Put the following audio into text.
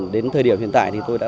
đến thời điểm hiện tại thì tôi đã